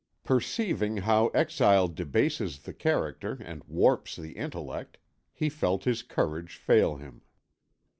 Perceiving how exile debases the character and warps the intellect, he felt his courage fail him.